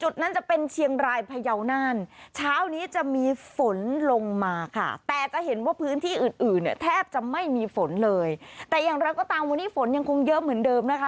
แต่อย่างเราก็ตามวันนี้ฝนยังคงเยอะเหมือนเดิมนะคะ